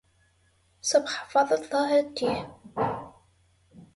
صبح فضل ظاهر التيه